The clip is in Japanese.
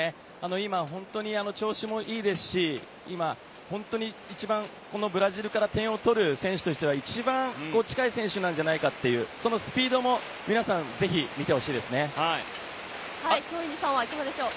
今、本当に調子もいいですし、一番このブラジルから点を取る選手としては、一番近い選手じゃないかという、そのスピードも皆さん、ぜひ見て松陰寺さんはいかがでしょう？